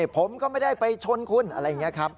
ผมก็ไม่ได้ไปชนคุณอะไรอย่างนี้ครับ